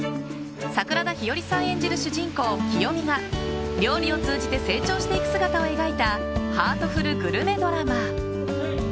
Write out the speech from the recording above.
桜田ひよりさん演じる主人公・清美が料理を通じて成長していく姿を描いたハートフルグルメドラマ。